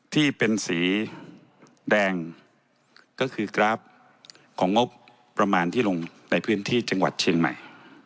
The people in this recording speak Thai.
ที่เป็นสีแดงก็คือกราฟของงบประมาณที่ลงในพื้นที่จังหวัดเชียงใหม่